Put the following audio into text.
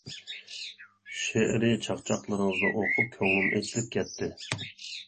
شېئىرى چاقچاقلىرىڭىزنى ئوقۇپ، كۆڭلۈم ئېچىلىپ كەتتى.